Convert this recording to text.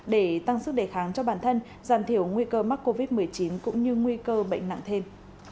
để tăng sức đề kháng cho bản thân giảm thiểu nguy cơ mắc covid một mươi chín cũng như nguy cơ bệnh nặng thêm